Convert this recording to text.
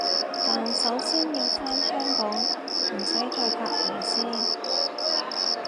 但首先要返香港唔使再隔離先